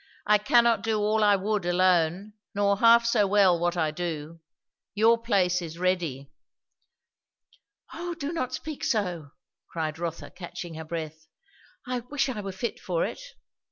"I cannot do all I would alone, nor half so well what I do. Your place is ready." "O do not speak so!" cried Rotha catching her breath. "I wish I were fit for it."